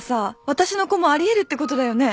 私の子もあり得るってことだよね？